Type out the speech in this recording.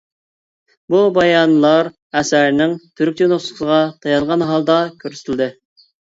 بۇ بايانلار ئەسەرنىڭ تۈركچە نۇسخىسىغا تايانغان ھالدا كۆرسىتىلدى.